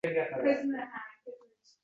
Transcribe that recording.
ma’lum darajada ta’sirlandi